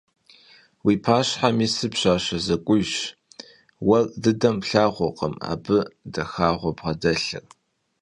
Vui paşhem yisır pşaşe zek'ujjş, vuer dıdem plhağurkhım abı daxağeu bğedelhır.